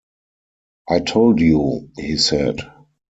"I told you," he said.